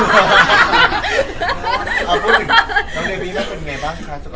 พูดถึงน้องเบบี้แมทเป็นไงบ้างค่ะ